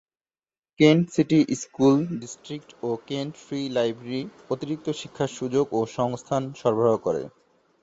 Kent City School District ও Kent Free Library অতিরিক্ত শিক্ষার সুযোগ ও সংস্থান সরবরাহ করে।